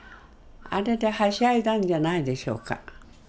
あれではしゃいだんじゃないでしょうか。